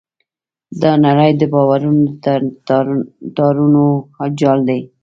دا نړۍ د باورونو د تارونو جال دی.